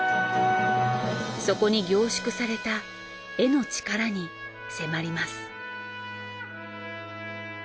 そこに凝縮された絵の力に迫ります。